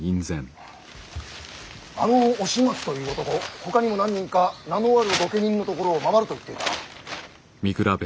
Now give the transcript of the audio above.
あの押松という男ほかにも何人か名のある御家人のところを回ると言っていた。